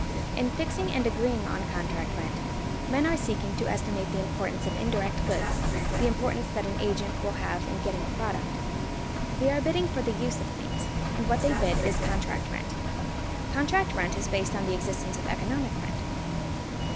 In fixing and agreeing on contract rent, men are seeking to estimate the importance of indirect goods, the importance that an agent will have in getting a product. They are bidding for the use of things, and what they bid is contract rent. Contract rent is based on the existence of economic rent.